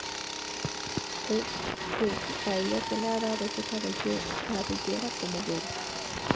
Es que a ella se le ha dado su cabellera como velo.